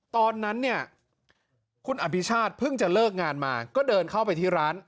ตอนนั้นเนี่ยคุณอภิชาติเพิ่งจะเลิกงานมาก็เดินเข้าไปที่ร้าน